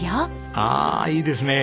ああいいですねえ。